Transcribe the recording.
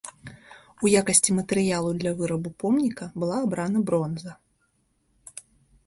У якасці матэрыялу для вырабу помніка была абрана бронза.